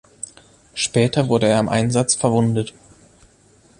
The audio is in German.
Später wurde er im Einsatz verwundet.